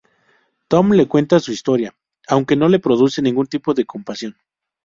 Tom le cuenta su historia, aunque no le produce ningún tipo de compasión.